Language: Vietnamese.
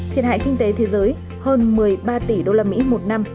thiệt hại kinh tế thế giới hơn một mươi ba tỷ usd một năm